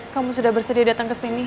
kamu sudah bersedia datang kesini